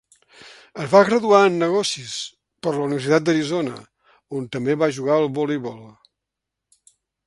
Es va graduar en negocis per la Universitat d'Arizona, on també va jugar al voleibol.